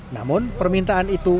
namun permintaan itu